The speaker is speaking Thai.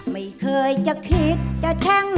ไม่เคยจะคิดจะแช่ง